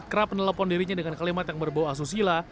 kerap menelpon dirinya dengan kalimat yang berboha susila